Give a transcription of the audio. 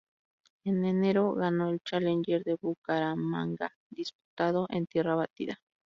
En enero ganó el Challenger de Bucaramanga disputado en tierra batida.